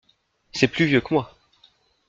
C’est plus vieux que moi.